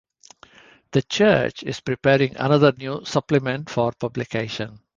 The Church is preparing another new Supplement for publication.